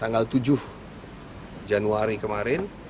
tanggal tujuh januari kemarin